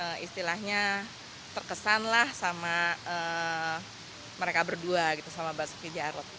banyak yang istilahnya terkesanlah sama mereka berdua gitu sama basuki jarod